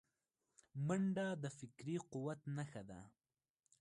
منډه د فکري قوت نښه ده